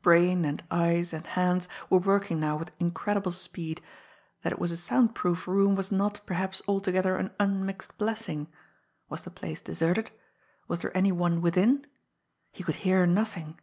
Brain and eyes and hands were working now with incredible speed. That it was a sound proof room was not, perhaps, altogether an unmixed blessing! Was the place deserted? Was there any one within? He could hear nothing.